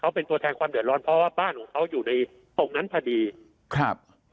เขาเป็นตัวแทนความเดือดร้อนเพราะว่าบ้านของเขาอยู่ในตรงนั้นพอดีครับ